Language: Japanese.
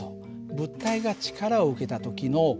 物体が力を受けた時の現象